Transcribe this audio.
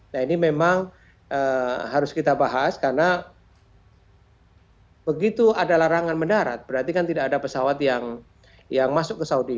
nah ini memang harus kita bahas karena begitu ada larangan mendarat berarti kan tidak ada pesawat yang masuk ke saudi